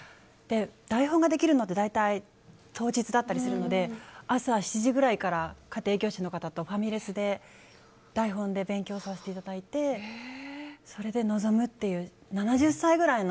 台本ができるのって大体、当日だったりするので朝７時ぐらいとか家庭教師の方とファミレスで台本で勉強させていただいてそれで臨むという。